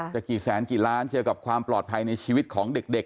จะกี่แสนกี่ล้านเจอกับความปลอดภัยในชีวิตของเด็ก